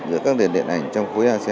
giữa các điện ảnh trong khối asean